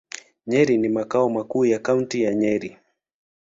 Nyeri ni makao makuu ya Kaunti ya Nyeri.